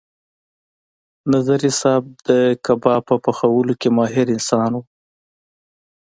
نظري صیب د کباب په پخولو کې ماهر انسان و.